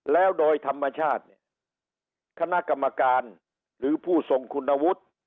แล้วโดยธรรมชาติเนี่ยคณะกรรมการหรือผู้ทรงคุณวุฒิ